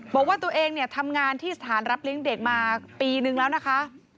บอกว่าตัวเองเนี่ยทำงานที่สถานรับเลี้ยงเด็กมาปีนึงแล้วนะคะ